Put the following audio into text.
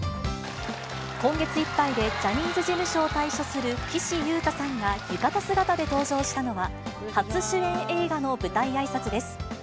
今月いっぱいでジャニーズ事務所を退所する岸優太さんが、浴衣姿で登場したのは、初主演映画の舞台あいさつです。